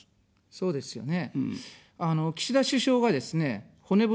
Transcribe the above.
そうですね。